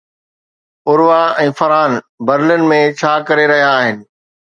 Urwah ۽ Farhan Berlin ۾ ڇا ڪري رهيا آهن؟